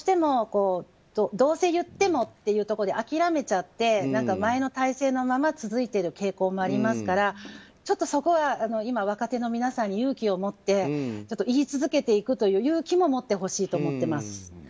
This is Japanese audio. どうせ言ってもというところで諦めちゃって、前の体制のまま続いている傾向もありますからそこは今、若手の皆さんに言い続けていくという勇気も持ってほしいと思ってます。